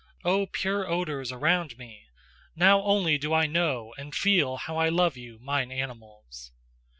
O pure odours around me! Now only do I know and feel how I love you, mine animals."